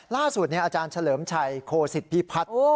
ล่าสุดเนี่ยอาจารย์เฉลิมชัยโคศิษฐ์พิพัทธ์โอ้